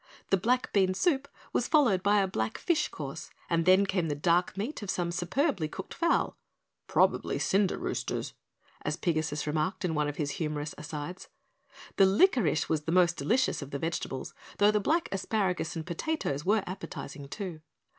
The black bean soup was followed by a black fish course, then came the dark meat of some superbly cooked fowl, "probably cinder roosters," as Pigasus remarked in one of his humorous asides. The licorice was the most delicious of the vegetables, though the black asparagus and potatoes were appetizing, too.